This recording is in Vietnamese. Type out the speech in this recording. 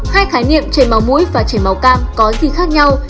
hai khái niệm chảy máu mũi và chảy máu cam có gì khác nhau